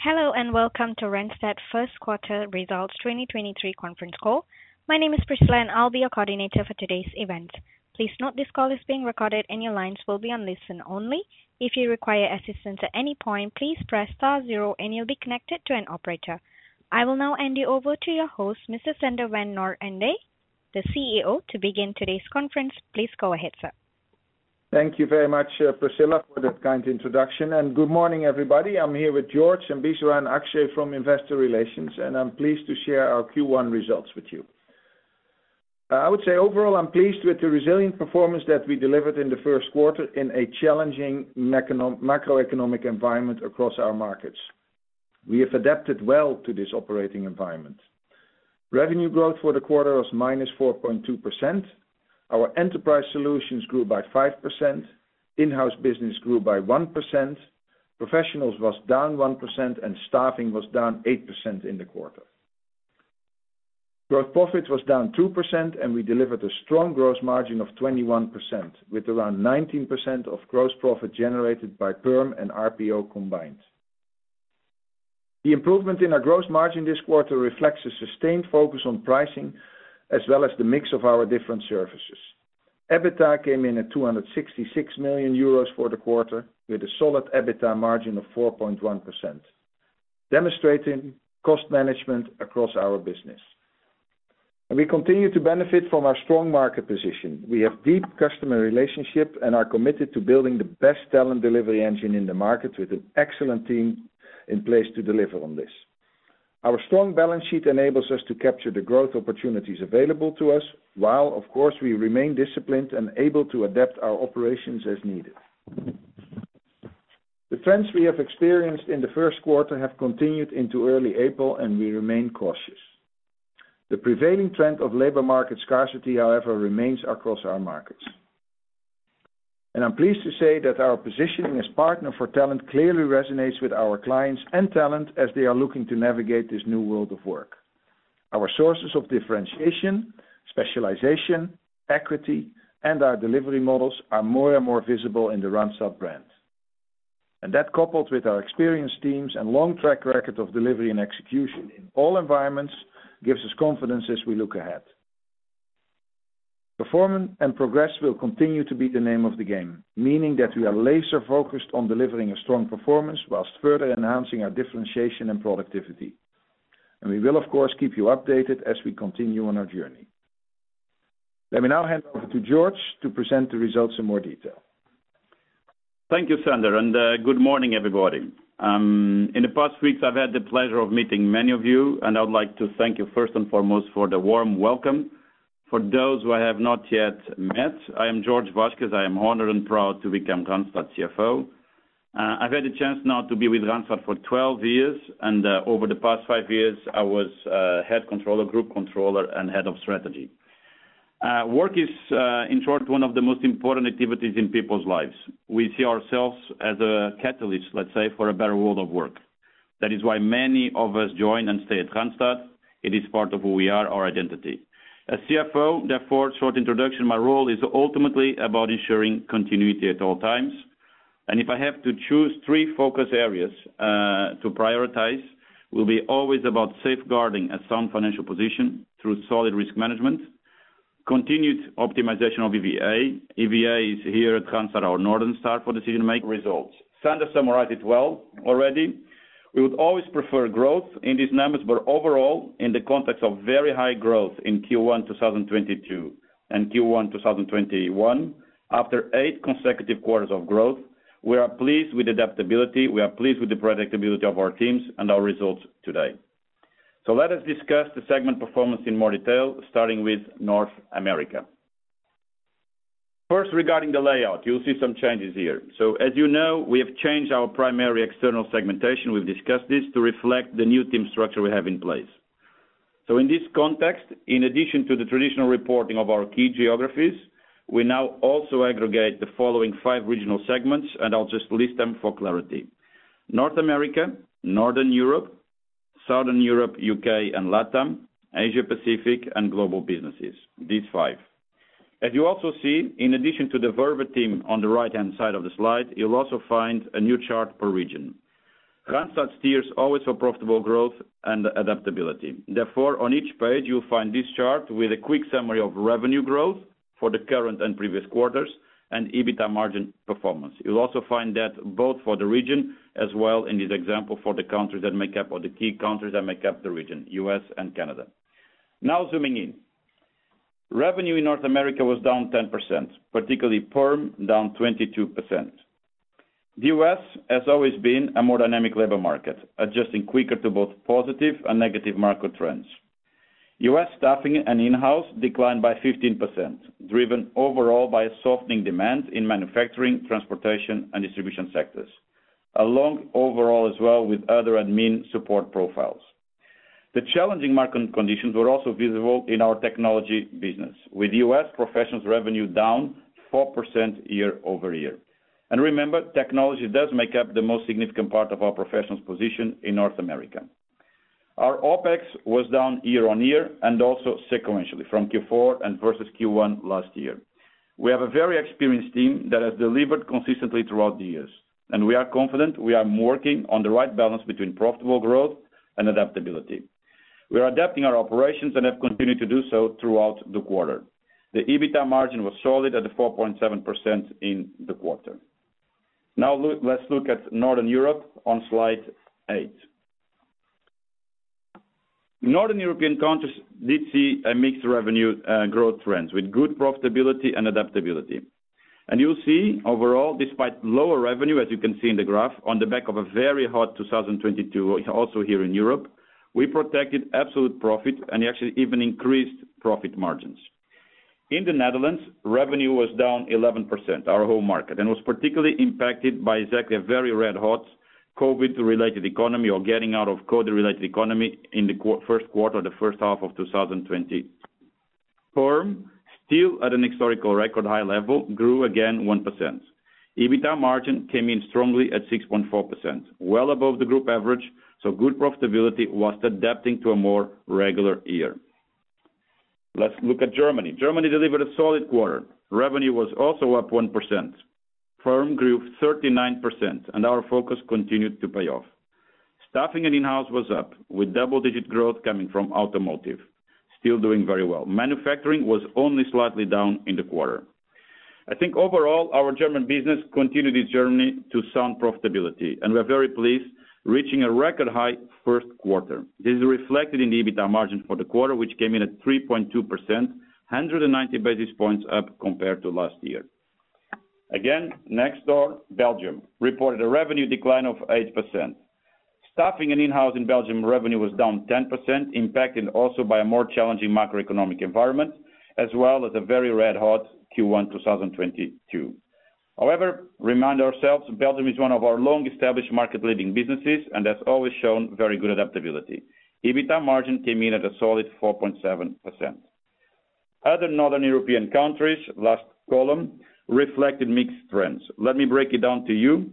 Hello, and welcome to Randstad first quarter results 2023 conference call. My name is Priscilla, and I'll be your Coordinator for today's event. Please note this call is being recorded, and your lines will be on listen-only. If you require assistance at any point, please press star zero, and you'll be connected to an Operator. I will now hand you over to your host, Mr. Sander van 't Noordende, the CEO, to begin today's conference. Please go ahead, sir. Thank you very much, Priscilla, for that kind introduction. Good morning, everybody. I'm here with Jorge, Amisha, and Akshay from Investor Relations. I'm pleased to share our Q1 results with you. I would say overall, I'm pleased with the resilient performance that we delivered in the first quarter in a challenging macroeconomic environment across our markets. We have adapted well to this operating environment. Revenue growth for the quarter was -4.2%. Our enterprise solutions grew by 5%. Inhouse business grew by 1%. Professionals was down 1%. Staffing was down 8% in the quarter. Gross profit was down 2%. We delivered a strong gross margin of 21%, with around 19% of gross profit generated by Perm and RPO combined. The improvement in our gross margin this quarter reflects a sustained focus on pricing, as well as the mix of our different services. EBITDA came in at 266 million euros for the quarter, with a solid EBITDA margin of 4.1%, demonstrating cost management across our business. We continue to benefit from our strong market position. We have deep customer relationship and are committed to building the best talent delivery engine in the market with an excellent team in place to deliver on this. Our strong balance sheet enables us to capture the growth opportunities available to us, while of course, we remain disciplined and able to adapt our operations as needed. The trends we have experienced in the first quarter have continued into early April, and we remain cautious. The prevailing trend of labor market scarcity, however, remains across our markets. I'm pleased to say that our positioning as partner for talent clearly resonates with our clients and talent as they are looking to navigate this new world of work. Our sources of differentiation, specialization, equity, and our delivery models are more and more visible in the Randstad brand. That, coupled with our experienced teams and long track record of delivery and execution in all environments, gives us confidence as we look ahead. Performance and progress will continue to be the name of the game, meaning that we are laser-focused on delivering a strong performance while further enhancing our differentiation and productivity. We will, of course, keep you updated as we continue on our journey. Let me now hand over to Jorge to present the results in more detail. Thank you, Sander, and good morning, everybody. In the past weeks, I've had the pleasure of meeting many of you, and I would like to thank you first and foremost for the warm welcome. For those who I have not yet met, I am Jorge Vazquez. I am honored and proud to become Randstad CFO. I've had a chance now to be with Randstad for 12 years and over the past five years, I was Head Controller, Group Controller, and Head of Strategy. Work is, in short, one of the most important activities in people's lives. We see ourselves as a catalyst, let's say, for a better world of work. That is why many of us join and stay at Randstad. It is part of who we are, our identity. As CFO, therefore, short introduction, my role is ultimately about ensuring continuity at all times. If I have to choose three focus areas to prioritize, will be always about safeguarding a sound financial position through solid risk management, continued optimization of EVA. EVA is here at Randstad, our Northern Star for decision making results. Sander summarized it well already. We would always prefer growth in these numbers, but overall, in the context of very high growth in Q1 2022 and Q1 2021, after eight consecutive quarters of growth, we are pleased with adaptability. We are pleased with the predictability of our teams and our results today. Let us discuss the segment performance in more detail, starting with North America. First, regarding the layout, you'll see some changes here. As you know, we've changed our primary external segmentation, we've discussed this, to reflect the new team structure we have in place. In this context, in addition to the traditional reporting of our key geographies, we now also aggregate the following five regional segments, and I'll just list them for clarity. North America, Northern Europe, Southern Europe, U.K., and LATAM, Asia Pacific, and Global Businesses. These five. As you also see, in addition to the Verve team on the right-hand side of the slide, you'll also find a new chart per region. Randstad steers always for profitable growth and adaptability. Therefore, on each page, you'll find this chart with a quick summary of revenue growth for the current and previous quarters and EBITDA margin performance. You'll also find that both for the region as well in this example for the countries that make up or the key countries that make up the region, U.S. and Canada. Zooming in. Revenue in North America was down 10%, particularly Perm down 22%. The U.S. has always been a more dynamic labor market, adjusting quicker to both positive and negative market trends. U.S. Staffing and Inhouse declined by 15%, driven overall by a softening demand in manufacturing, transportation, and distribution sectors, along overall as well with other admin support profiles. The challenging market conditions were also visible in our technology business, with U.S. Professionals revenue down 4% year-over-year. Remember, technology does make up the most significant part of our Professionals position in North America. Our OpEx was down year-on-year and also sequentially from Q4 and versus Q1 last year. We have a very experienced team that has delivered consistently throughout the years, and we are confident we are working on the right balance between profitable growth and adaptability. We are adapting our operations and have continued to do so throughout the quarter. The EBITDA margin was solid at the 4.7% in the quarter. Let's look at Northern Europe on slide eight. Northern European countries did see a mixed revenue growth trends with good profitability and adaptability. You'll see overall, despite lower revenue, as you can see in the graph, on the back of a very hot 2022 also here in Europe, we protected absolute profit and actually even increased profit margins. In the Netherlands, revenue was down 11%, our home market, and was particularly impacted by exactly a very red-hot COVID-related economy or getting out of COVID-related economy in the first quarter, the first half of 2020. Perm, still at an historical record high level, grew again 1%. EBITDA margin came in strongly at 6.4%, well above the group average, so good profitability was adapting to a more regular year. Let's look at Germany. Germany delivered a solid quarter. Revenue was also up 1%. Perm grew 39%, and our focus continued to pay off. Staffing and Inhouse was up with double-digit growth coming from automotive, still doing very well. Manufacturing was only slightly down in the quarter. I think overall, our German business continued its journey to sound profitability, and we're very pleased reaching a record high first quarter. This is reflected in the EBITDA margin for the quarter, which came in at 3.2%, 190 basis points up compared to last year. Next door, Belgium reported a revenue decline of 8%. Staffing and Inhouse in Belgium revenue was down 10%, impacted also by a more challenging macroeconomic environment, as well as a very red-hot Q1 2022. Remind ourselves, Belgium is one of our long-established market-leading businesses and has always shown very good adaptability. EBITDA margin came in at a solid 4.7%. Other Northern European countries, last column, reflected mixed trends. Let me break it down to you.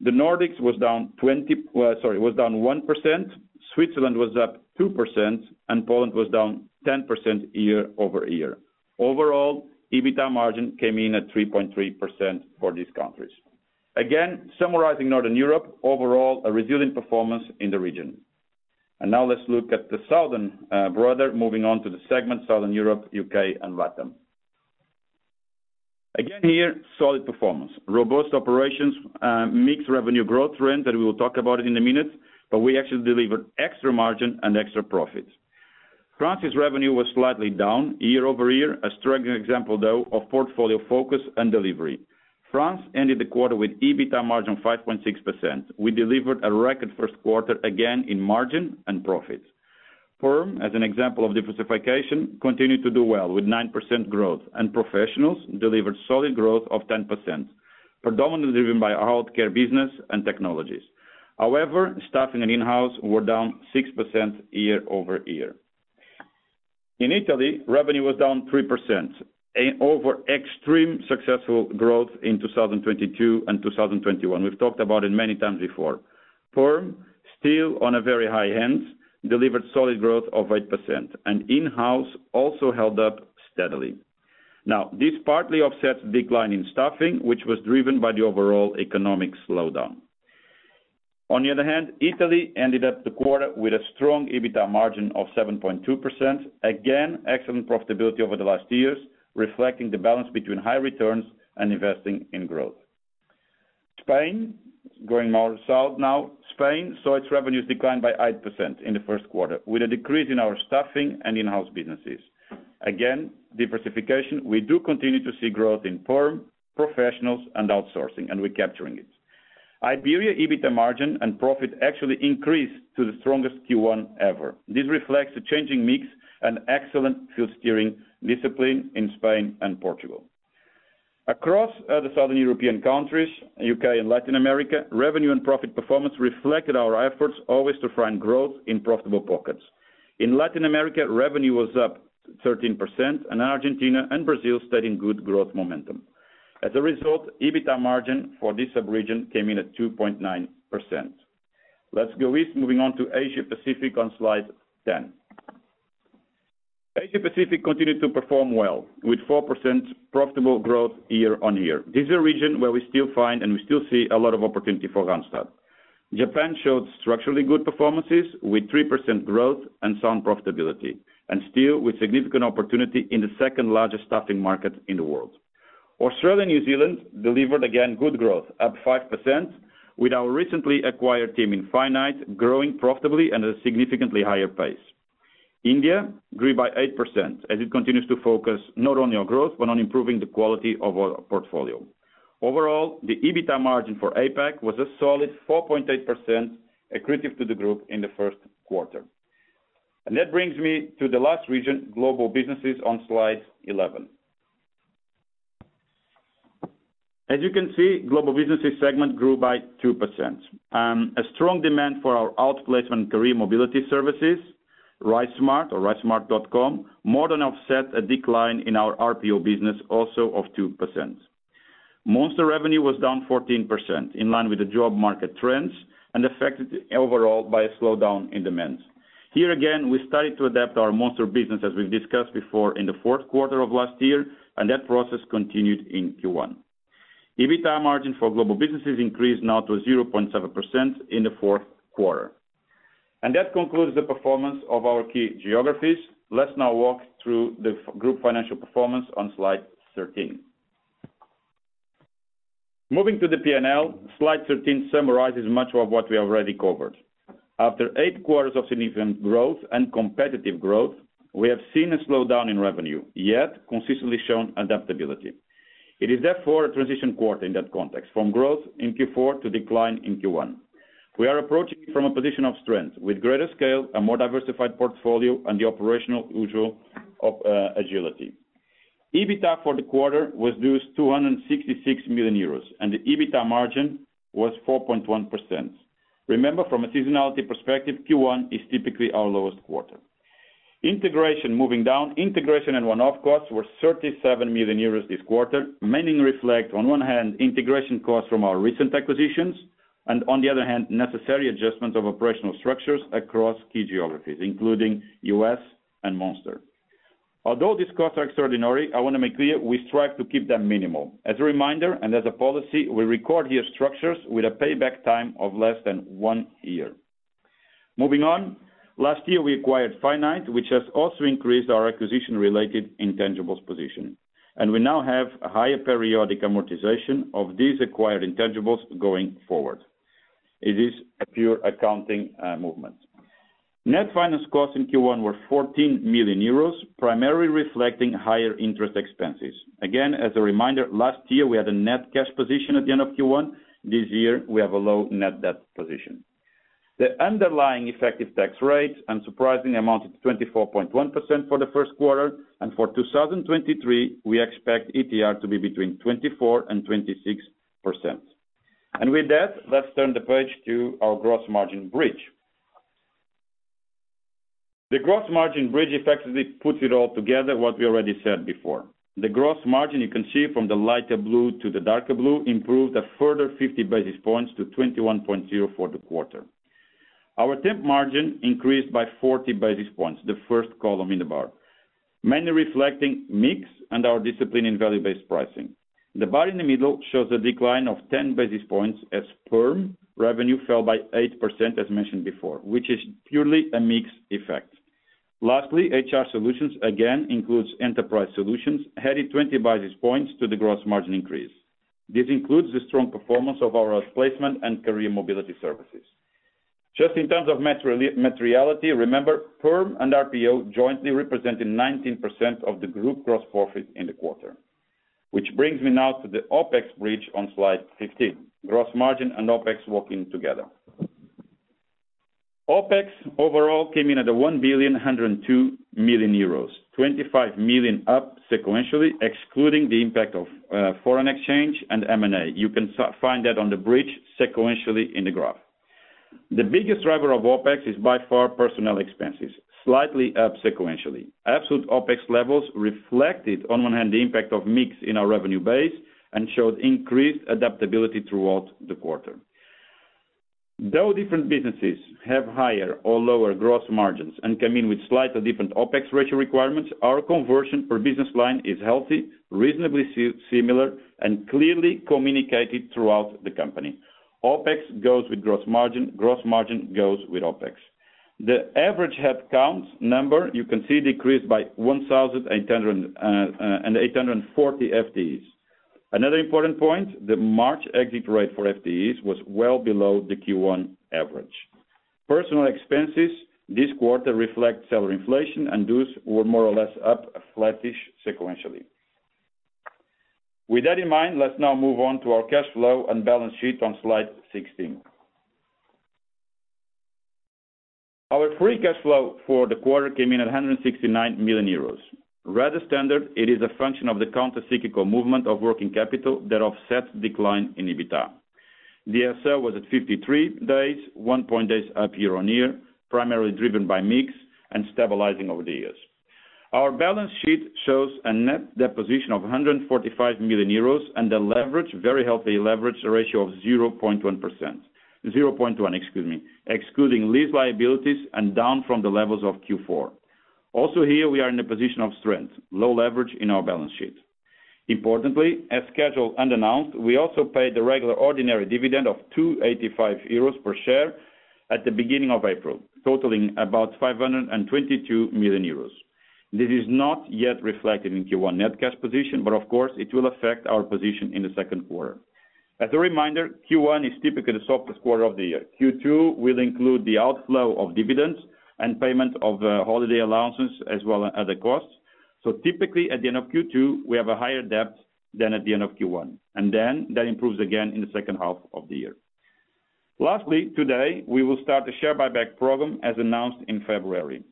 The Nordics was down 1%. Switzerland was up 2%, and Poland was down 10% year-over-year. Overall, EBITDA margin came in at 3.3% for these countries. Again, summarizing Northern Europe, overall, a resilient performance in the region. Now let's look at the southern brother, moving on to the segment, Southern Europe, U.K. and LATAM. Again, here, solid performance. Robust operations, mixed revenue growth trend that we will talk about it in a minute, but we actually delivered extra margin and extra profits. France's revenue was slightly down year-over-year. A striking example, though, of portfolio focus and delivery. France ended the quarter with EBITDA margin 5.6%. We delivered a record first quarter again in margin and profits. Perm, as an example of diversification, continued to do well with 9% growth, and Professionals delivered solid growth of 10%, predominantly driven by our healthcare business and technologies. Staffing and Inhouse were down 6% year-over-year. In Italy, revenue was down 3% over extreme successful growth in 2022 and 2021. We've talked about it many times before. Perm, still on a very high end, delivered solid growth of 8%, and Inhouse also held up steadily. This partly offsets decline in Staffing, which was driven by the overall economic slowdown. Italy ended up the quarter with a strong EBITDA margin of 7.2%. Excellent profitability over the last years, reflecting the balance between high returns and investing in growth. Spain, going more south now. Spain saw its revenues decline by 8% in the first quarter with a decrease in our Staffing and Inhouse businesses. Again, diversification, we do continue to see growth in Perm, Professionals, and Outsourcing, and we're capturing it. Iberia EBITDA margin and profit actually increased to the strongest Q1 ever. This reflects a changing mix and excellent field steering discipline in Spain and Portugal. Across the Southern European countries, U.K. and Latin America, revenue and profit performance reflected our efforts always to find growth in profitable pockets. In Latin America, revenue was up 13%, and Argentina and Brazil stayed in good growth momentum. As a result, EBITDA margin for this sub-region came in at 2.9%. Let's go east, moving on to Asia-Pacific on slide 10. Asia-Pacific continued to perform well, with 4% profitable growth year-over-year. This is a region where we still find and we still see a lot of opportunity for Randstad. Japan showed structurally good performances with 3% growth and sound profitability, and still with significant opportunity in the second-largest Staffing market in the world. Australia and New Zealand delivered again good growth, up 5%, with our recently acquired team in Finite growing profitably at a significantly higher pace. India grew by 8% as it continues to focus not only on growth, but on improving the quality of our portfolio. Overall, the EBITDA margin for APAC was a solid 4.8% accretive to the group in the first quarter. That brings me to the last region, Global Businesses on slide 11. As you can see, Global Businesses segment grew by 2%. A strong demand for our outplacement career mobility services, RiseSmart or RiseSmart.com, more than offset a decline in our RPO business also of 2%. Monster revenue was down 14% in line with the job market trends and affected overall by a slowdown in demands. Here again, we started to adapt our Monster business as we've discussed before in the fourth quarter of last year, and that process continued in Q1. EBITDA margin for Global Businesses increased now to 0.7% in the fourth quarter. That concludes the performance of our key geographies. Let's now walk through the group financial performance on slide 13. Moving to the P&L, slide 13 summarizes much of what we already covered. After eight quarters of significant growth and competitive growth, we have seen a slowdown in revenue, yet consistently shown adaptability. It is therefore a transition quarter in that context from growth in Q4 to decline in Q1. We are approaching it from a position of strength with greater scale, a more diversified portfolio, and the operational usual of agility. EBITDA for the quarter was 266 million euros, and the EBITDA margin was 4.1%. Remember, from a seasonality perspective, Q1 is typically our lowest quarter. Integration and one-off costs were 37 million euros this quarter, mainly reflect on one hand, integration costs from our recent acquisitions, and on the other hand, necessary adjustments of operational structures across key geographies, including U.S. and Monster. Although these costs are extraordinary, I wanna make clear we strive to keep them minimal. As a reminder, and as a policy, we record here structures with a payback time of less than one year. Moving on. Last year, we acquired Finite, which has also increased our acquisition-related intangibles position, and we now have a higher periodic amortization of these acquired intangibles going forward. It is a pure accounting movement. Net finance costs in Q1 were 14 million euros, primarily reflecting higher interest expenses. As a reminder, last year, we had a net cash position at the end of Q1. This year, we have a low net debt position. The underlying effective tax rates unsurprisingly amounted to 24.1% for the first quarter. For 2023, we expect ETR to be between 24% and 26%. With that, let's turn the page to our gross margin bridge. The gross margin bridge effectively puts it all together what we already said before. The gross margin, you can see from the lighter blue to the darker blue, improved a further 50 basis points to 21.0 for the quarter. Our temp margin increased by 40 basis points, the first column in the bar. Mainly reflecting mix and our discipline in value-based pricing. The bar in the middle shows a decline of 10 basis points as Perm revenue fell by 8%, as mentioned before, which is purely a mix effect. Lastly, HR solutions again includes enterprise solutions, adding 20 basis points to the gross margin increase. This includes the strong performance of our replacement and career mobility services. Just in terms of materiality, remember, Perm and RPO jointly represented 19% of the group gross profit in the quarter. Which brings me now to the OpEx bridge on slide 15. Gross margin and OpEx working together. OpEx overall came in at 1.102 billion, 25 million up sequentially, excluding the impact of foreign exchange and M&A. You can find that on the bridge sequentially in the graph. The biggest driver of OpEx is by far personnel expenses, slightly up sequentially. Absolute OpEx levels reflected on one hand, the impact of mix in our revenue base and showed increased adaptability throughout the quarter. Though different businesses have higher or lower gross margins and come in with slightly different OpEx ratio requirements, our conversion per business line is healthy, reasonably similar, and clearly communicated throughout the company. OpEx goes with gross margin. Gross margin goes with OpEx. The average headcount number you can see decreased by 1,840 FTEs. Another important point, the March exit rate for FTEs was well below the Q1 average. Personnel expenses this quarter reflect salary inflation, and those were more or less up flattish sequentially. With that in mind, let's now move on to our cash flow and balance sheet on slide 16. Our free cash flow for the quarter came in at 169 million euros. Rather standard, it is a function of the counter cyclical movement of working capital that offsets decline in EBITDA. DSL was at 53 days, 1 point days up year-over-year, primarily driven by mix and stabilizing over the years. Our balance sheet shows a net deposition of 145 million euros and a leverage, very healthy leverage ratio of 0.1% excluding lease liabilities and down from the levels of Q4. Here, we are in a position of strength, low leverage in our balance sheet. Importantly, as scheduled and announced, we also paid the regular ordinary dividend of 2.85 euros per share at the beginning of April, totaling about 522 million euros. This is not yet reflected in Q1 net cash position, of course, it will affect our position in the second quarter. As a reminder, Q1 is typically the softest quarter of the year. Q2 will include the outflow of dividends and payment of holiday allowances as well as other costs. Typically, at the end of Q2, we have a higher debt than at the end of Q1, that improves again in the second half of the year. Lastly, today, we will start the share buyback program as announced in February.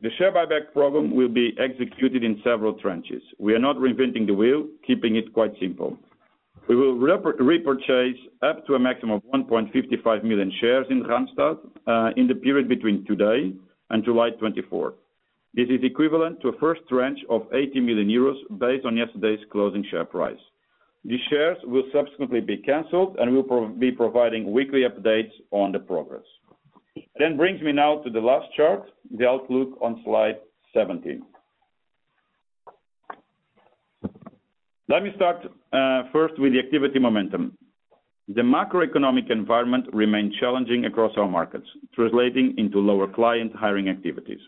The share buyback program will be executed in several tranches. We are not reinventing the wheel, keeping it quite simple. We will repurchase up to a maximum of 1.55 million shares in Randstad in the period between today and July 24th. This is equivalent to a first tranche of 80 million euros based on yesterday's closing share price. These shares will subsequently be canceled and we'll be providing weekly updates on the progress. Brings me now to the last chart, the outlook on slide 17. Let me start first with the activity momentum. The macroeconomic environment remains challenging across our markets, translating into lower client hiring activities.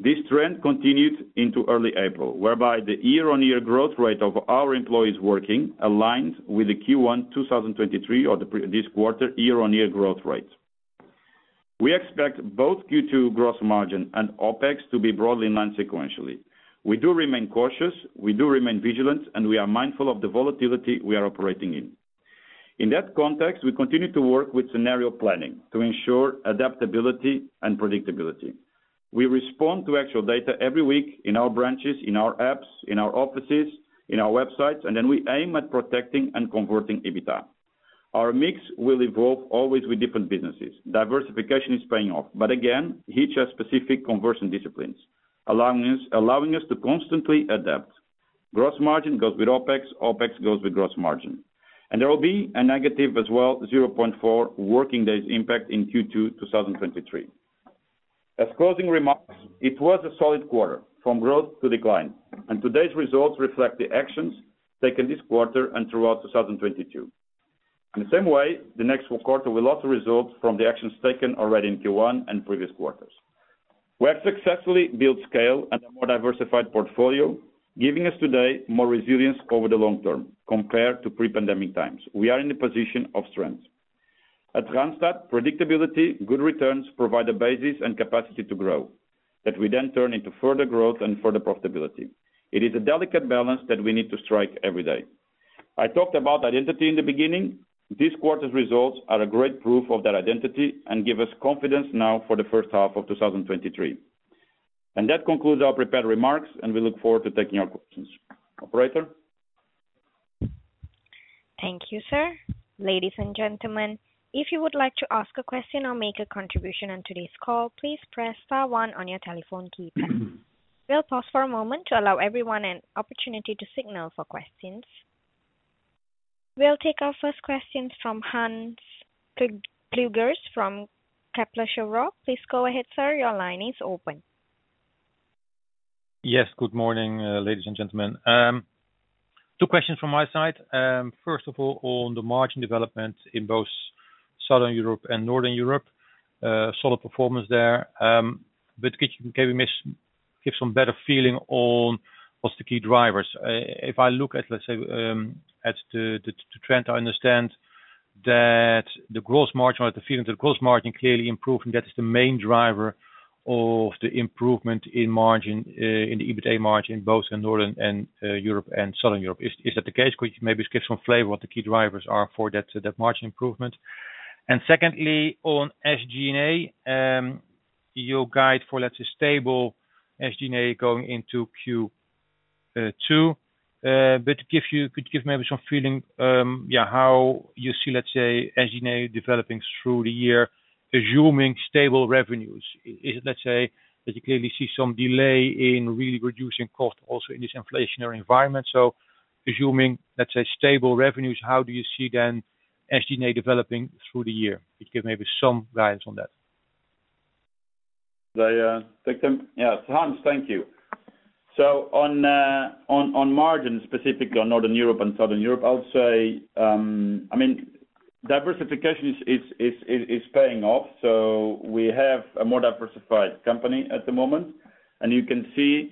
This trend continued into early April, whereby the year-on-year growth rate of our employees working aligns with the Q1 2023 or this quarter year-on-year growth rate. We expect both Q2 gross margin and OpEx to be broadly in line sequentially. We do remain cautious, we do remain vigilant, and we are mindful of the volatility we are operating in. In that context, we continue to work with scenario planning to ensure adaptability and predictability. We respond to actual data every week in our branches, in our apps, in our offices, in our websites, and then we aim at protecting and converting EBITDA. Our mix will evolve always with different businesses. Diversification is paying off, but again, each has specific conversion disciplines, allowing us to constantly adapt. Gross margin goes with OpEx goes with gross margin. There will be a negative as well, 0.4 working days impact in Q2, 2023. As closing remarks, it was a solid quarter from growth to decline, and today's results reflect the actions taken this quarter and throughout 2022. In the same way, the next quarter will also result from the actions taken already in Q1 and previous quarters. We have successfully built scale and a more diversified portfolio, giving us today more resilience over the long term compared to pre-pandemic times. We are in a position of strength. At Randstad, predictability, good returns provide a basis and capacity to grow that we then turn into further growth and further profitability. It is a delicate balance that we need to strike every day. I talked about identity in the beginning. This quarter's results are a great proof of that identity and give us confidence now for the first half of 2023. That concludes our prepared remarks, and we look forward to taking your questions. Operator. Thank you, sir. Ladies and gentlemen, if you would like to ask a question or make a contribution on today's call, please press star one on your telephone keypad. We'll pause for a moment to allow everyone an opportunity to signal for questions. We'll take our first questions from Hans Pluijgers from Kepler Cheuvreux. Please go ahead, sir. Your line is open. Yes, good morning, ladies and gentlemen. Two questions from my side. First of all, on the margin development in both Southern Europe and Northern Europe, solid performance there. Could we give some better feeling on what's the key drivers. If I look at, let's say, at the trend, I understand that the gross margin or the feeling that the gross margin clearly improving, that is the main driver of the improvement in margin, in the EBITA margin, both in Northern and Europe and Southern Europe. Is that the case? Could maybe give some flavor what the key drivers are for that margin improvement. Secondly, on SG&A, your guide for, let's say, stable SG&A going into Q2. Could give maybe some feeling, yeah, how you see, let's say, SG&A developing through the year, assuming stable revenues? Is, let's say, that you clearly see some delay in really reducing cost also in this inflationary environment? Assuming, let's say, stable revenues, how do you see then SG&A developing through the year? You give maybe some guidance on that? Take them. Yeah, Hans, thank you. On margin, specifically on Northern Europe and Southern Europe, I would say, I mean diversification is paying off. We have a more diversified company at the moment. You can see,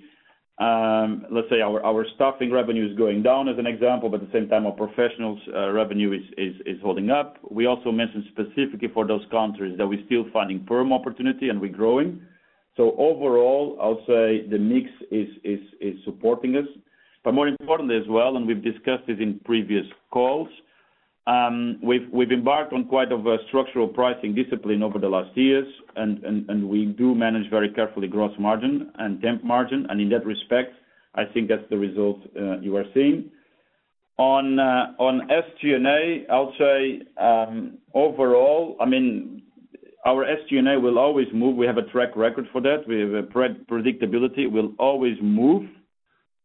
let's say our Staffing revenue is going down as an example, but at the same time, our Professionals revenue is holding up. We also mentioned specifically for those countries that we're still finding firm opportunity and we're growing. Overall, I'll say the mix is supporting us. More importantly as well, and we've discussed this in previous calls, we've embarked on quite of a structural pricing discipline over the last years. We do manage very carefully gross margin and temp margin. In that respect, I think that's the result you are seeing. On SG&A, I'll say, overall, I mean, our SG&A will always move. We have a track record for that. We have a predictability. We'll always move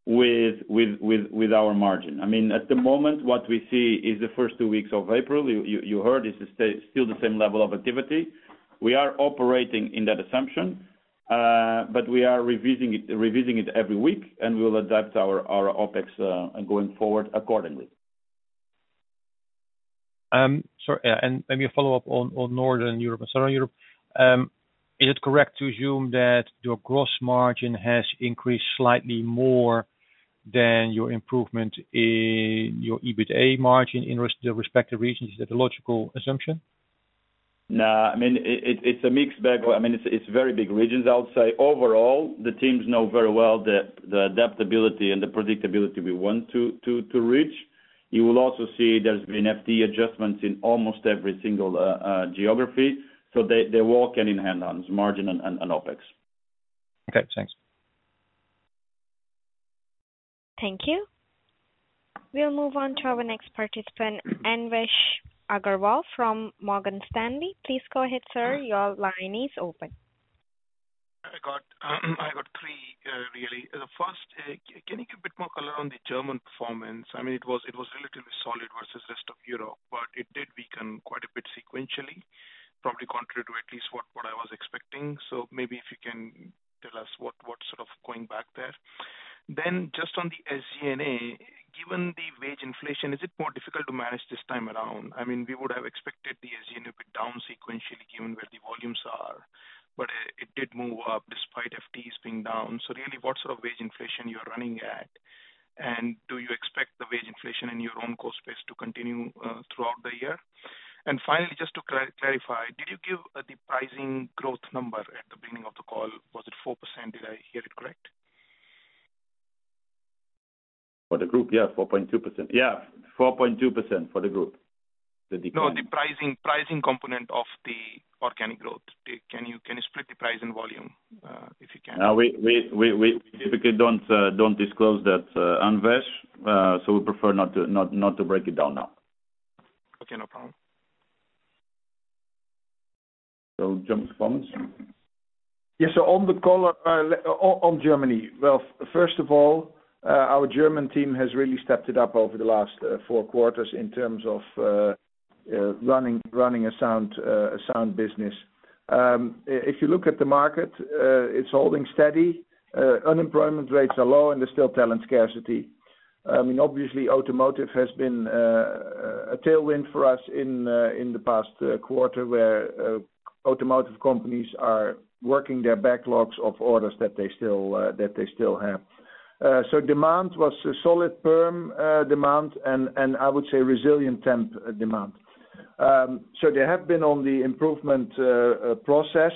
with our margin. I mean, at the moment, what we see is the first two weeks of April, you heard, is still the same level of activity. We are operating in that assumption, but we are revising it every week, and we will adapt our OpEx going forward accordingly. Maybe a follow-up on Northern Europe and Southern Europe. Is it correct to assume that your gross margin has increased slightly more than your improvement in your EBITA margin in the respective regions? Is that a logical assumption? No. I mean, it's a mixed bag. I mean, it's very big regions. I would say overall, the teams know very well the adaptability and the predictability we want to reach. You will also see there's been FTE adjustments in almost every single geography. They, they're working in hand on this margin and OpEx. Okay, thanks. Thank you. We'll move on to our next participant, Anvesh Agrawal from Morgan Stanley. Please go ahead, sir. Your line is open. I got three, really. The first, can you give a bit more color on the German performance? I mean, it was relatively solid versus rest of Europe, but it did weaken quite a bit sequentially, probably contrary to at least what I was expecting. Maybe if you can tell us what's sort of going back there? Just on the SG&A, given the wage inflation, is it more difficult to manage this time around? I mean, we would have expected the SG&A to be down sequentially given where the volumes are, but it did move up despite FTEs being down. Really, what sort of wage inflation you're running at? Do you expect the wage inflation in your own cost base to continue throughout the year? Finally, just to clarify, did you give the pricing growth number at the beginning of the call? Was it 4%? Did I hear it correct? For the group? Yeah, 4.2% for the group. The decline- No, the pricing component of the organic growth. Can you split the price and volume, if you can? We typically don't disclose that, Anvesh, so we prefer not to break it down now. Okay, no problem. Jumping on Sander. Yes. On the color on Germany. Well, first of all, our German team has really stepped it up over the last four quarters in terms of running a sound business. If you look at the market, it's holding steady. Unemployment rates are low, there's still talent scarcity. I mean, obviously automotive has been a tailwind for us in the past quarter, where automotive companies are working their backlogs of orders that they still have. Demand was a solid, firm demand and I would say resilient temp demand. They have been on the improvement process,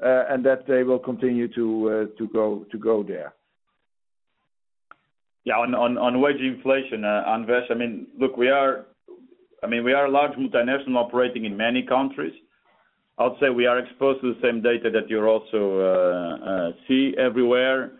and that they will continue to go there. Yeah, on wage inflation, Anvesh, I mean, look, we are a large multinational operating in many countries. I'll say we are exposed to the same data that you also see everywhere.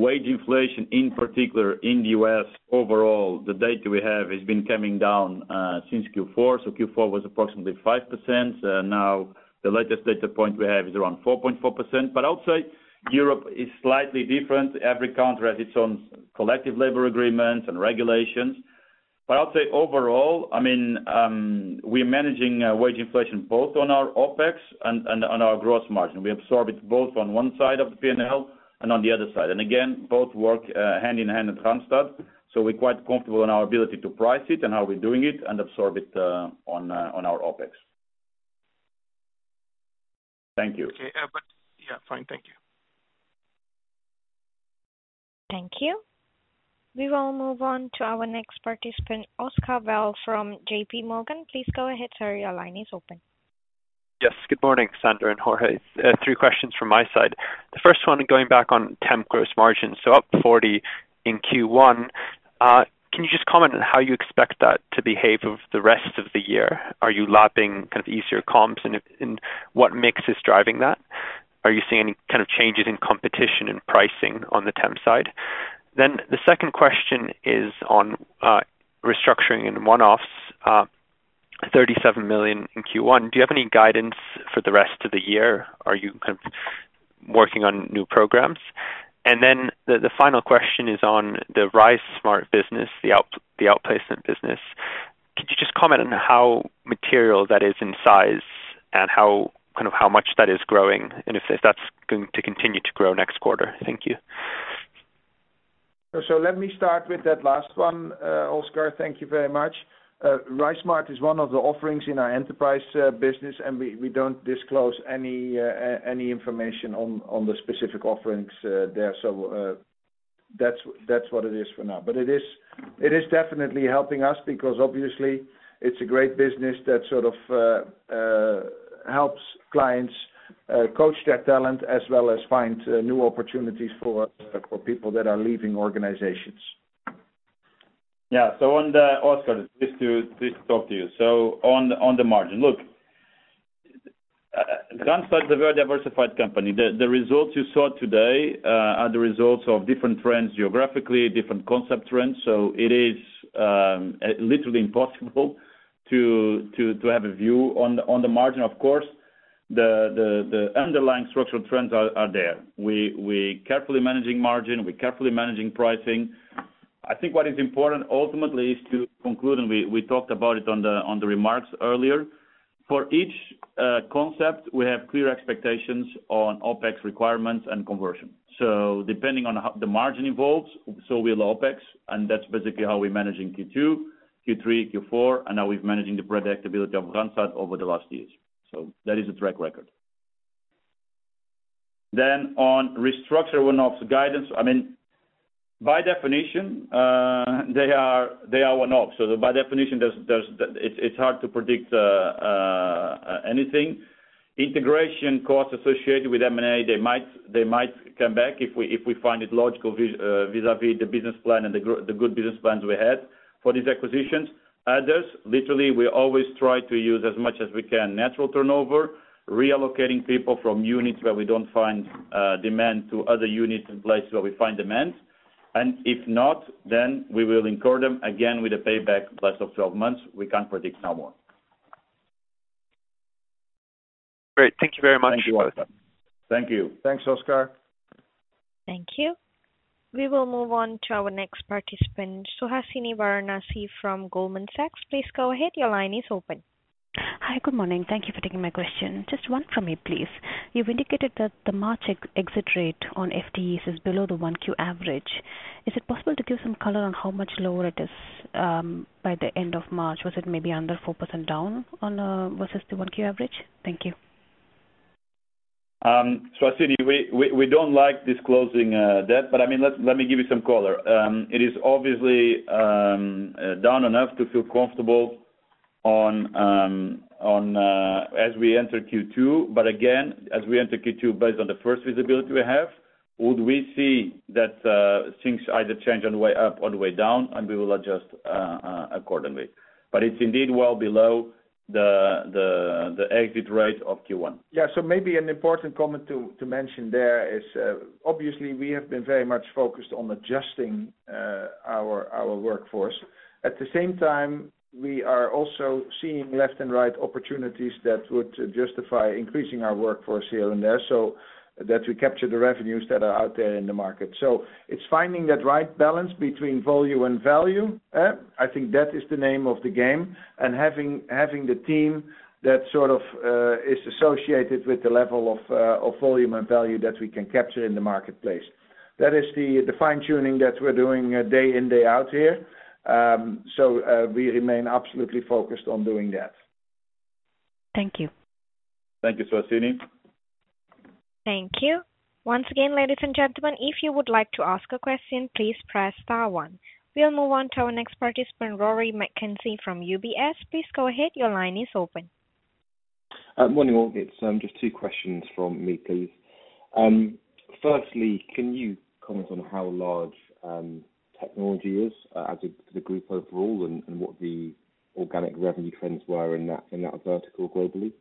Wage inflation, in particular in the U.S., overall, the data we have has been coming down since Q4. Q4 was approximately 5%. Now the latest data point we have is around 4.4%. I'll say Europe is slightly different. Every country has its own collective labor agreements and regulations. I'll say overall, I mean, we're managing wage inflation both on our OpEx and on our gross margin. We absorb it both on one side of the P&L and on the other side. Again, both work hand-in-hand at Randstad. We're quite comfortable in our ability to price it and how we're doing it and absorb it on our OpEx. Thank you. Okay. Yeah, fine. Thank you. Thank you. We will move on to our next participant, Oscar de Belle from JPMorgan. Please go ahead, sir. Your line is open. Yes. Good morning, Sander and Jorge. Three questions from my side. The first one going back on temp gross margin, up 40 in Q1. Can you just comment on how you expect that to behave over the rest of the year? Are you lapping kind of easier comps and what mix is driving that? Are you seeing any kind of changes in competition and pricing on the temp side? The second question is on restructuring and one-offs, 37 million in Q1. Do you have any guidance for the rest of the year? Are you kind of working on new programs? The final question is on the RiseSmart business, the outplacement business. Could you just comment on how material that is in size and how, kind of how much that is growing, and if that's going to continue to grow next quarter? Thank you. Let me start with that last one, Oscar. Thank you very much. Randstad RiseSmart is one of the offerings in our enterprise business, and we don't disclose any information on the specific offerings there. That's what it is for now. It is definitely helping us because obviously it's a great business that sort of helps clients coach their talent as well as find new opportunities for people that are leaving organizations. Oscar, pleased to talk to you. On the margin. Look, Randstad's a very diversified company. The results you saw today are the results of different trends geographically, different concept trends. It is literally impossible to have a view on the margin, of course. The underlying structural trends are there. We carefully managing margin, we carefully managing pricing. I think what is important ultimately is to conclude, and we talked about it on the remarks earlier. For each concept, we have clear expectations on OpEx requirements and conversion. Depending on the margin evolves, so will OpEx, and that's basically how we're managing Q2, Q3, Q4, and how we've managing the predictability of Randstad over the last years. That is a track record. On restructure one-offs guidance, I mean, by definition, they are one-offs. By definition, there's it's hard to predict anything. Integration costs associated with M&A, they might come back if we find it logical vis-à-vis the business plan and the good business plans we had for these acquisitions. Others, literally, we always try to use as much as we can, natural turnover, reallocating people from units where we don't find demand to other units in place where we find demand. If not, then we will incur them again with a payback less of 12 months. We can't predict no more. Great. Thank you very much. Thank you, Oscar. Thank you. Thanks, Oscar. Thank you. We will move on to our next participant, Suhasini Varanasi from Goldman Sachs. Please go ahead. Your line is open. Hi. Good morning. Thank you for taking my question. Just one from me, please. You've indicated that the March exit rate on FTEs is below the 1Q average. Is it possible to give some color on how much lower it is by the end of March? Was it maybe under 4% down on versus the 1Q average? Thank you. Suhasini, we don't like disclosing that, I mean, let me give you some color. It is obviously down enough to feel comfortable on as we enter Q2. Again, as we enter Q2, based on the first visibility we have, would we see that things either change on the way up or the way down, and we will adjust accordingly. It's indeed well below the exit rate of Q1. Yeah. Maybe an important comment to mention there is, obviously we have been very much focused on adjusting our workforce. At the same time, we are also seeing left and right opportunities that would justify increasing our workforce here and there, so that we capture the revenues that are out there in the market. It's finding that right balance between volume and value. I think that is the name of the game, and having the team that sort of is associated with the level of volume and value that we can capture in the marketplace. That is the fine-tuning that we're doing day in, day out here. We remain absolutely focused on doing that. Thank you. Thank you, Suhasini. Thank you. Once again, ladies and gentlemen, if you would like to ask a question, please press star one. We'll move on to our next participant, Rory McKenzie from UBS. Please go ahead. Your line is open. Morning, all. It's just two questions from me, please. Firstly, can you comment on how large technology is as a, the group overall and what the organic revenue trends were in that vertical globally?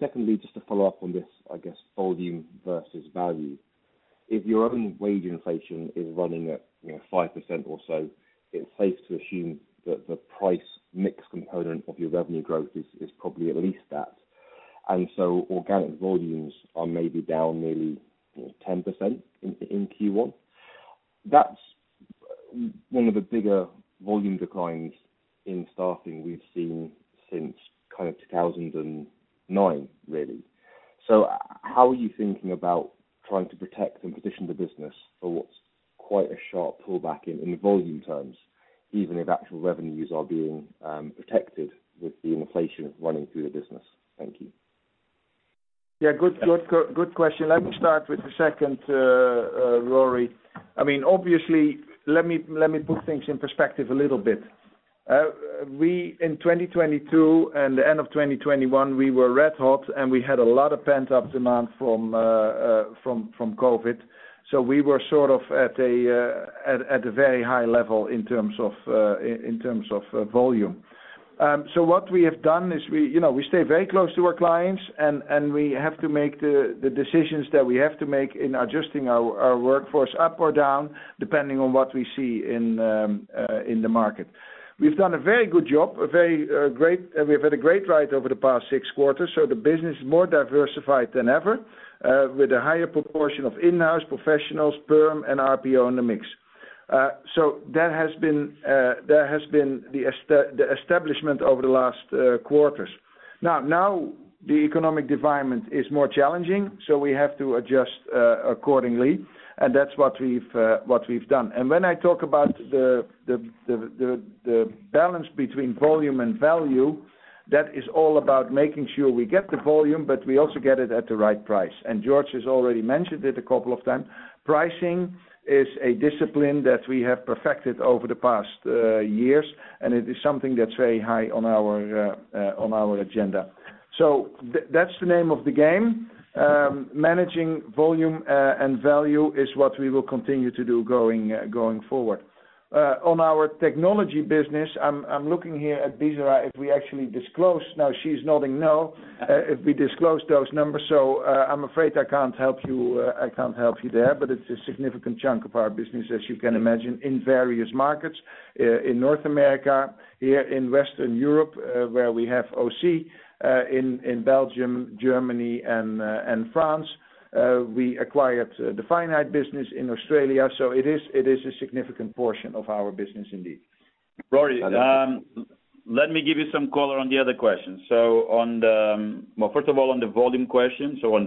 Secondly, just to follow up on this, I guess volume versus value. If your own wage inflation is running at, you know, 5% or so, it's safe to assume that the price mix component of your revenue growth is probably at least that. So organic volumes are maybe down nearly, you know, 10% in Q1. That's one of the bigger volume declines in Staffing we've seen since kind of 2009, really. How are you thinking about trying to protect and position the business for what's quite a sharp pullback in volume terms, even if actual revenues are being protected with the inflation running through the business? Thank you. Good question. Let me start with the second, Rory. I mean, obviously, let me put things in perspective a little bit. We, in 2022 and the end of 2021, we were red hot, and we had a lot of pent-up demand from COVID. We were sort of at a very high level in terms of volume. What we have done is we, you know, we stay very close to our clients, and we have to make the decisions that we have to make in adjusting our workforce up or down, depending on what we see in the market. We've done a very good job, a very great... We've had a great ride over the past six quarters. The business is more diversified than ever, with a higher proportion of Inhouse Professionals, Perm and RPO in the mix. That has been the establishment over the last quarters. Now, the economic environment is more challenging. We have to adjust accordingly, and that's what we've done. When I talk about the balance between volume and value, that is all about making sure we get the volume, but we also get it at the right price. Jorge has already mentioned it a couple of times. Pricing is a discipline that we have perfected over the past years, and it is something that's very high on our agenda. That's the name of the game. Managing volume and value is what we will continue to do going forward. On our technology business, I'm looking here at Desirae if we actually disclose. Now, she's nodding no, if we disclose those numbers. I'm afraid I can't help you, I can't help you there, but it's a significant chunk of our business, as you can imagine, in various markets, in North America, here in Western Europe, where we have OC, in Belgium, Germany, and France. We acquired the Finite business in Australia. It is a significant portion of our business indeed. Rory, let me give you some color on the other question. On the... First of all, on the volume question, on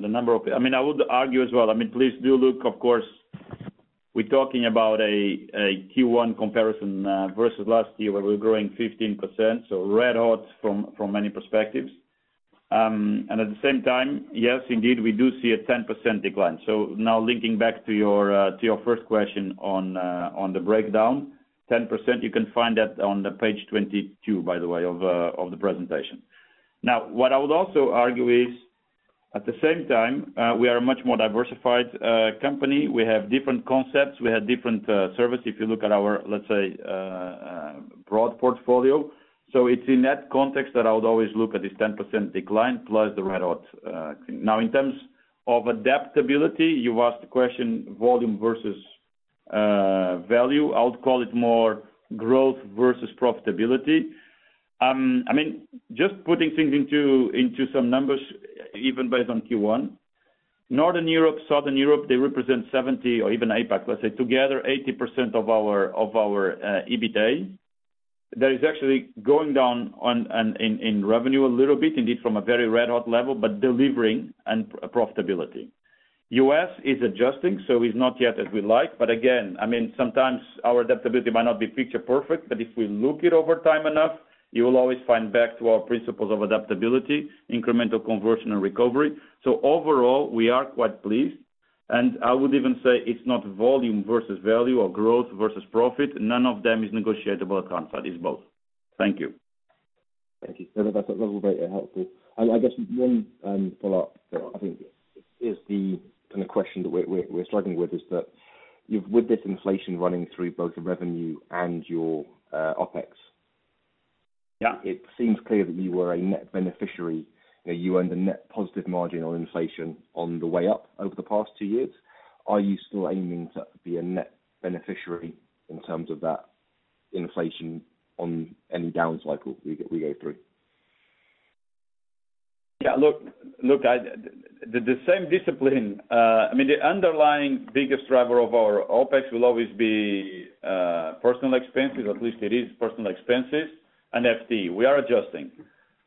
the number of... I mean, I would argue as well, I mean, please do look, of course, we're talking about a Q1 comparison versus last year, where we're growing 15%, so red hot from many perspectives. At the same time, yes, indeed, we do see a 10% decline. Now linking back to your to your first question on on the breakdown, 10%, you can find that on page 22, by the way, of the presentation. Now, what I would also argue is, at the same time, we are a much more diversified company. We have different concepts. We have different, service, if you look at our, let's say, broad portfolio. It's in that context that I would always look at this 10% decline plus the red hot, thing. Now, in terms of adaptability, you asked the question volume versus value, I would call it more growth versus profitability. I mean, just putting things into some numbers, even based on Q1, Northern Europe, Southern Europe, they represent 70 or even APAC, let's say together 80% of our, of our, EBITA. That is actually going down on, in revenue a little bit, indeed, from a very red-hot level, but delivering and profitability. U.S. is adjusting, so it's not yet as we like. Again, sometimes our adaptability might not be picture perfect, but if we look it over time enough, you will always find back to our principles of adaptability, incremental conversion and recovery. Overall, we are quite pleased. I would even say it's not volume versus value or growth versus profit. None of them is negotiable at Randstad. It's both. Thank you. Thank you. That's a level of rate helpful. I guess one, follow-up that I think is the kind of question that we're struggling with is that you've with this inflation running through both revenue and your OpEx. Yeah. It seems clear that you were a net beneficiary. You know, you earned a net positive margin on inflation on the way up over the past two years. Are you still aiming to be a net beneficiary in terms of that inflation on any down cycle we go through? Yeah. Look, the same discipline. I mean, the underlying biggest driver of our OpEx will always be personal expenses, or at least it is personal expenses and FTE. We are adjusting.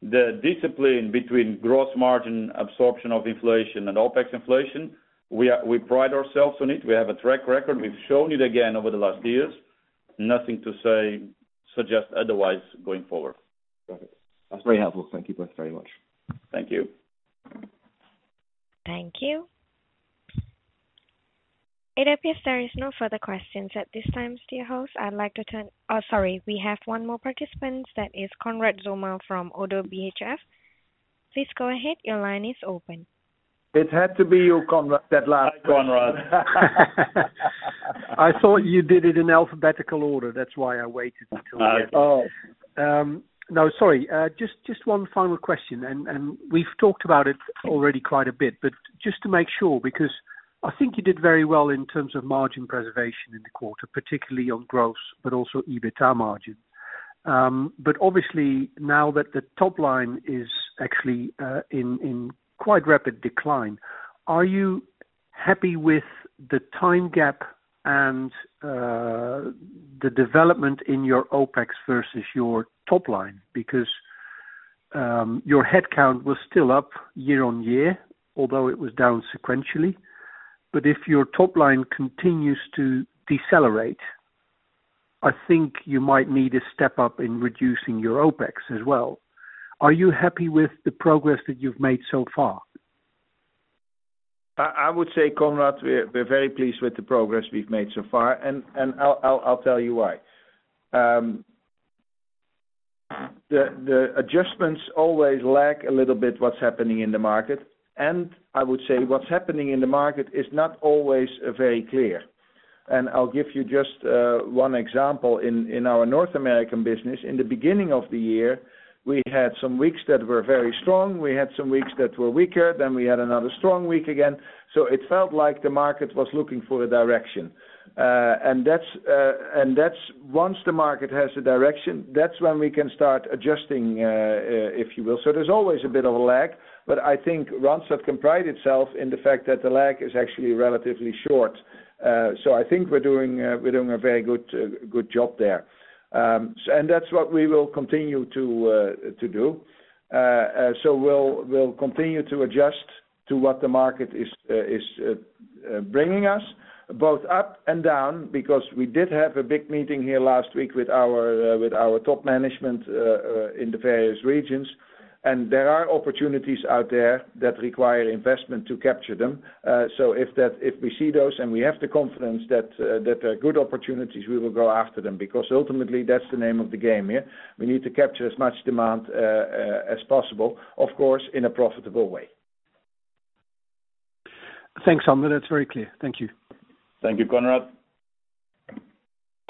The discipline between gross margin, absorption of inflation and OpEx inflation, we pride ourselves on it. We have a track record. We've shown it again over the last years. Nothing to say, suggest otherwise going forward. Got it. That's very helpful. Thank you both very much. Thank you. Thank you. It appears there is no further questions at this time, dear host. I'd like to turn... Oh, sorry. We have one more participant. That is Konrad Zomer from ODDO BHF. Please go ahead. Your line is open. It had to be you, Konrad, that last one. Hi, Konrad. I thought you did it in alphabetical order. That's why I waited until then. Oh. No, sorry. Just one final question. We've talked about it already quite a bit, but just to make sure, because I think you did very well in terms of margin preservation in the quarter, particularly on gross, but also EBITA margin. Obviously now that the top line is actually in quite rapid decline, are you happy with the time gap and the development in your OpEx versus your top line? Because your head count was still up year-on-year, although it was down sequentially. If your top line continues to decelerate, I think you might need a step up in reducing your OpEx as well. Are you happy with the progress that you've made so far? I would say, Konrad Zomer, we're very pleased with the progress we've made so far, and I'll tell you why. The adjustments always lack a little bit what's happening in the market, and I would say what's happening in the market is not always very clear. I'll give you just one example in our North American business. In the beginning of the year, we had some weeks that were very strong. We had some weeks that were weaker, we had another strong week again. It felt like the market was looking for a direction. That's once the market has a direction, that's when we can start adjusting, if you will. There's always a bit of a lag, but I think Randstad can pride itself in the fact that the lag is actually relatively short. I think we're doing, we're doing a very good job there. That's what we will continue to do. We'll, we'll continue to adjust to what the market is, bringing us both up and down, because we did have a big meeting here last week with our, with our top management, in the various regions. There are opportunities out there that require investment to capture them. If that, if we see those and we have the confidence that there are good opportunities, we will go after them, because ultimately, that's the name of the game here. We need to capture as much demand as possible, of course, in a profitable way. Thanks, Sander. That's very clear. Thank you. Thank you, Konrad.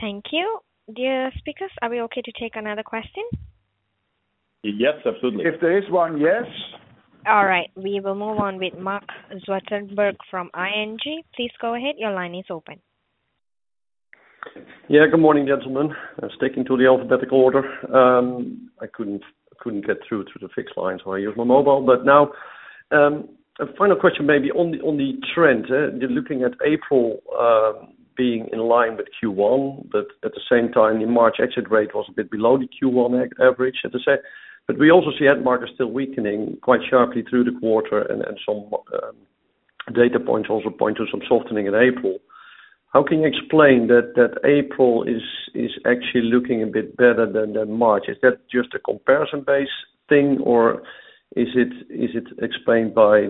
Thank you. Dear speakers, are we okay to take another question? Yes, absolutely. If there is one, yes. All right. We will move on with Marc Zwartsenburg from ING. Please go ahead. Your line is open. Yeah. Good morning, gentlemen. I was sticking to the alphabetical order. I couldn't get through to the fixed line, so I used my mobile. Now, a final question maybe on the trend. You're looking at April being in line with Q1, at the same time, the March exit rate was a bit below the Q1 average, as I said. We also see end market still weakening quite sharply through the quarter and some data points also point to some softening in April. How can you explain that April is actually looking a bit better than March? Is that just a comparison base thing, or is it explained by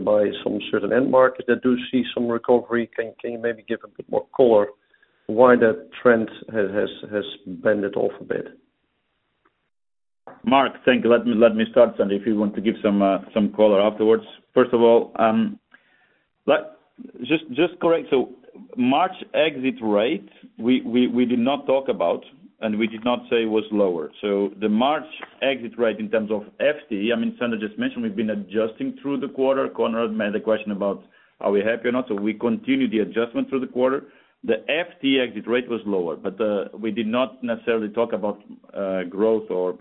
some certain end market that do see some recovery? Can you maybe give a bit more color why that trend has bended off a bit? Marc, thank you. Let me start, Sander, if you want to give some color afterwards. First of all, Just correct. March exit rate, we did not talk about and we did not say was lower. The March exit rate in terms of FTE, I mean, Sander just mentioned we've been adjusting through the quarter. Konrad made a question about, are we happy or not? We continue the adjustment through the quarter. The FTE exit rate was lower, but we did not necessarily talk about growth or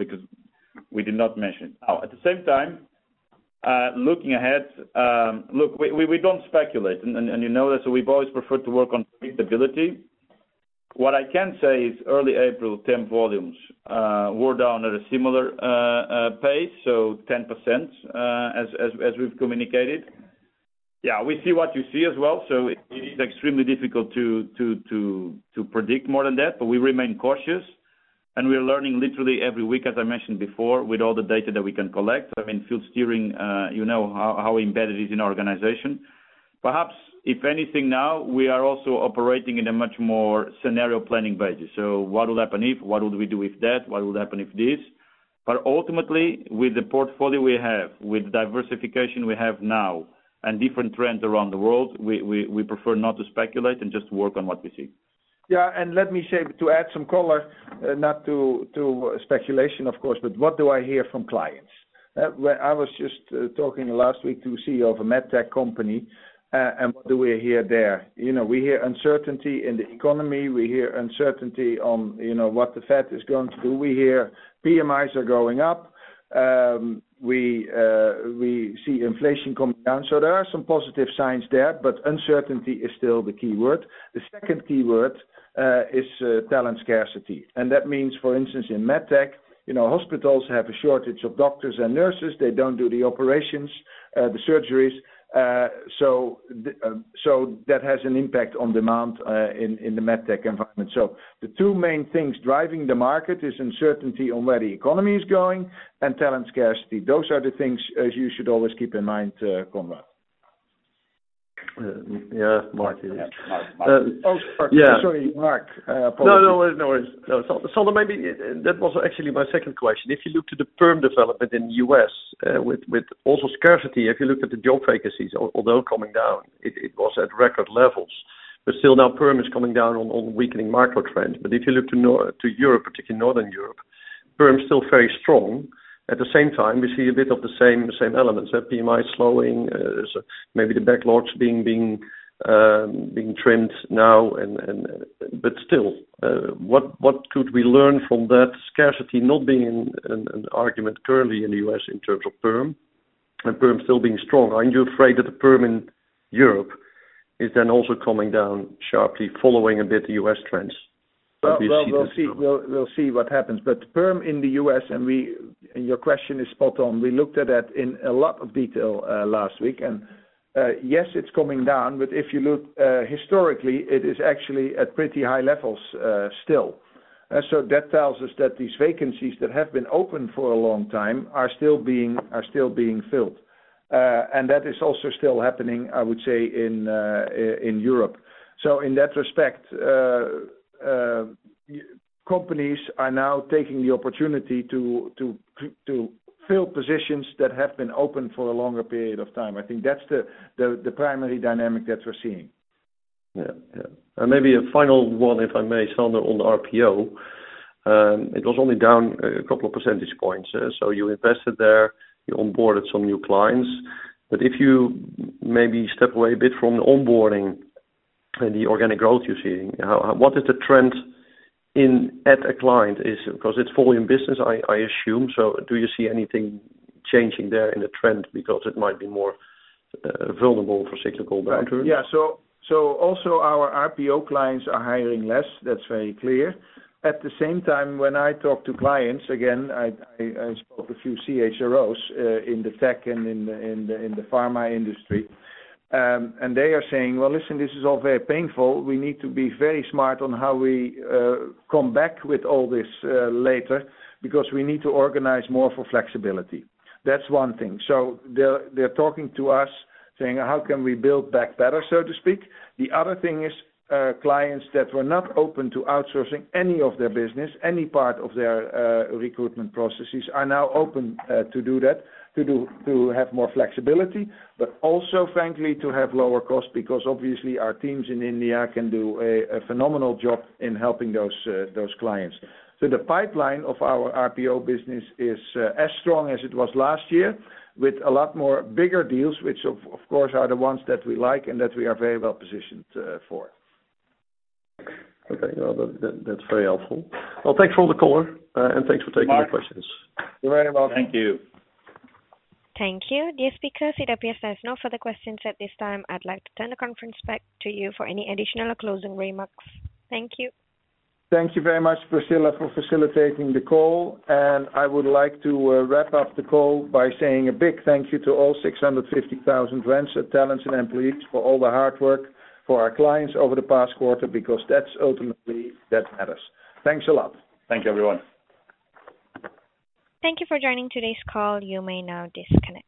because we did not mention. At the same time, looking ahead, look, we don't speculate and you know that. We've always preferred to work on predictability. What I can say is early April temp volumes were down at a similar pace, so 10%, as we've communicated. Yeah, we see what you see as well, so it is extremely difficult to predict more than that. We remain cautious, and we are learning literally every week, as I mentioned before, with all the data that we can collect. I mean, field steering, you know how embedded it is in our organization. Perhaps if anything now, we are also operating in a much more scenario planning basis. What will happen if, what would we do if that, what would happen if this? Ultimately with the portfolio we have, with diversification we have now and different trends around the world, we prefer not to speculate and just work on what we see. Yeah. Let me say, to add some color, not to speculation of course, but what do I hear from clients? I was just talking last week to CEO of a med tech company, and what do we hear there? You know, we hear uncertainty in the economy. We hear uncertainty on, you know, what the Fed is going to do. We hear PMIs are going up. We see inflation coming down. There are some positive signs there, but "uncertainty" is still the key word. The second key word is "talent scarcity". That means, for instance, in med tech, you know, hospitals have a shortage of doctors and nurses. They don't do the operations, the surgeries. That has an impact on demand, in the med tech environment. The two main things driving the market is uncertainty on where the economy is going and talent scarcity. Those are the things, you should always keep in mind, Konrad. Yeah. Marc, it is. Yeah, Marc. Yeah. Oh, sorry, Marc. Apologies. No, no worries. No worries. Sander, maybe that was actually my second question. If you look to the Perm development in the U.S., with also scarcity, if you look at the job vacancies, although coming down, it was at record levels, but still now Perm is coming down on weakening micro trends. If you look to Europe, particularly Northern Europe, Perm's still very strong. At the same time, we see a bit of the same elements. PMI slowing, so maybe the backlogs being trimmed now and... Still, what could we learn from that scarcity not being an argument currently in the U.S. in terms of Perm and Perm still being strong? Aren't you afraid that the Perm in Europe is then also coming down sharply following a bit the U.S. trends? Obviously, that's true. Well, we'll see, we'll see what happens. Perm in the U.S. and your question is spot on. We looked at that in a lot of detail last week. yes, it's coming down, but if you look historically, it is actually at pretty high levels still. that tells us that these vacancies that have been open for a long time are still being filled. and that is also still happening, I would say, in Europe. in that respect, companies are now taking the opportunity to fill positions that have been open for a longer period of time. I think that's the primary dynamic that we're seeing. Yeah. Yeah. Maybe a final one, if I may, Sander, on RPO? It was only down a couple of percentage points. You invested there, you onboarded some new clients. If you maybe step away a bit from the onboarding and the organic growth you're seeing, how, what is the trend at a client is? Because it's volume business, I assume. Do you see anything changing there in the trend because it might be more vulnerable for cyclical downturn? Right. Yeah. Also our RPO clients are hiring less. That's very clear. At the same time, when I talk to clients, again, I spoke with a few CHROs in the tech and in the pharma industry, and they are saying, "Well, listen, this is all very painful. We need to be very smart on how we come back with all this later because we need to organize more for flexibility." That's one thing. They're talking to us saying, "How can we build back better?" so to speak. The other thing is, clients that were not open to outsourcing any of their business, any part of their recruitment processes are now open to have more flexibility, but also frankly, to have lower costs because obviously our teams in India can do a phenomenal job in helping those clients. The pipeline of our RPO business is as strong as it was last year with a lot more bigger deals, which of course, are the ones that we like and that we are very well positioned for. Okay. Well, that's very helpful. Well, thanks for all the color, thanks for taking the questions. Marc, you're very welcome. Thank you. Thank you. Dear speakers, CW has no further questions at this time. I'd like to turn the conference back to you for any additional closing remarks. Thank you. Thank you very much, Priscilla, for facilitating the call. I would like to wrap up the call by saying a big thank you to all 650,000 Randstad talents and employees for all the hard work for our clients over the past quarter, because that's ultimately that matters. Thanks a lot. Thank you, everyone. Thank you for joining today's call. You may now disconnect.